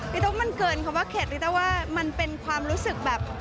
ตุ๊กมันเกินคำว่าเข็ดลิต้าว่ามันเป็นความรู้สึกแบบ